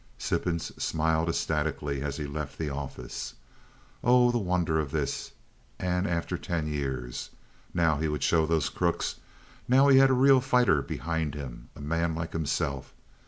Sippens smiled ecstatically as he left the office. Oh, the wonder of this, and after ten years! Now he would show those crooks. Now he had a real fighter behind him—a man like himself.